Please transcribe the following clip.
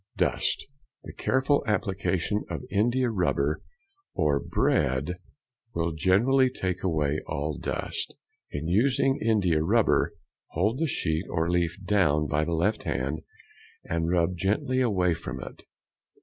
Dust.—The careful application of india rubber or bread will generally take away all dust. In using india rubber, hold the sheet or leaf down by the left hand, and rub gently away from it.